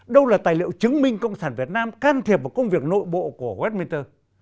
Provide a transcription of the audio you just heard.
đâu là tài liệu chứng minh cộng sản việt nam can thiệp vào công việc nội bộ của westminster